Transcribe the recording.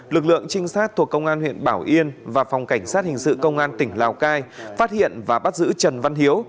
lực lượng trinh sát thuộc công an huyện bảo yên và phòng cảnh sát hình sự công an tỉnh lào cai phát hiện và bắt giữ trần văn hiếu